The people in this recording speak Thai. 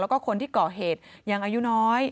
แล้วก็คนที่ก่อเหตุยังอายุน้อย